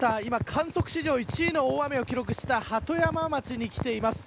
観測史上１位の大雨を記録した鳩山町に来ています。